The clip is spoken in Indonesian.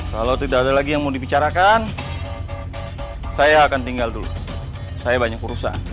kalau tidak ada lagi yang mau dibicarakan saya akan tinggal dulu saya banyak urusan